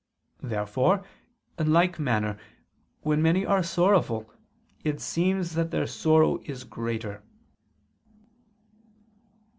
Therefore, in like manner, when many are sorrowful, it seems that their sorrow is greater.